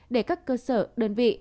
để các cơ sở đơn vị